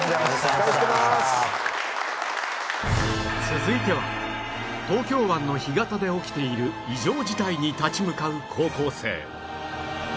続いては東京湾の干潟で起きている異常事態に立ち向かう高校生